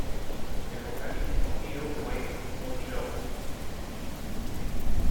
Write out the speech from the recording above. El vocalista escogido fue "Oni Logan".